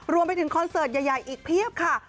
รวมไปถึงคอนเสิร์ตใหญ่อีกเพียบค่ะ